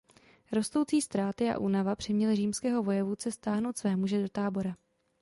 Rostoucí ztráty a únava přiměly římského vojevůdce stáhnout své muže do tábora.